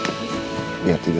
tunggu taruh dulu